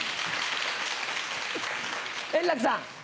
円楽さん。